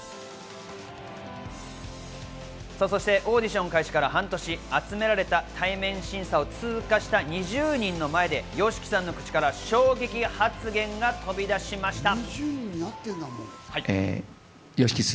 そして、オーディション開始から半年、集められた対面審査を通過した２０人の前でＹＯＳＨＩＫＩさんの口から衝撃発言が飛び出しました。